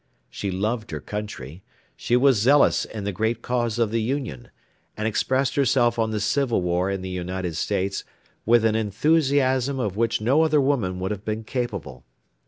She loved her country, she was zealous in the great cause of the Union, and expressed herself on the civil war in the United States with an enthusiasm of which no other woman would have been capable.